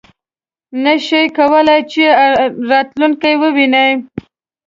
نه شي کولای چې راتلونکی وویني .